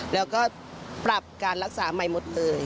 แล้วก็ปรับการรักษาใหม่หมดเลย